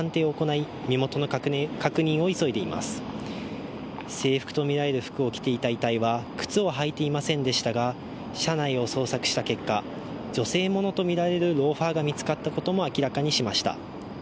制服とみられる服を着ていた遺体は制服と見られる服を着ていた遺体は靴を履いていませんでしたが、捜索した結果女性ものとみられるローファーが見つかったことも明らかにしました。